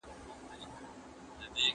د دغي پېښي علت معلوم سو؟